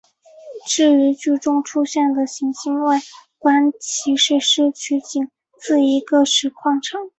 至于剧中出现的行星外观其实是取景自一个石矿场。